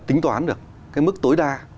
tính toán được cái mức tối đa